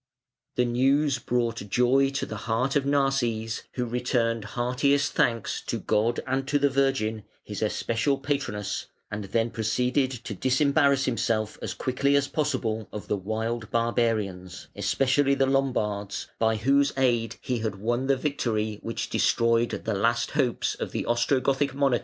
The news brought joy to the heart of Narses, who returned heartiest thanks to God and to the Virgin, his especial patroness, and then proceeded to disembarrass himself as quickly as possible of the wild barbarians, especially the Lombards, by whose aid he had won the victory which destroyed the last hopes of the Ostrogothic monarchy in Italy.